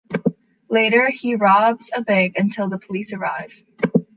Later, he robs a bank until the police arrive.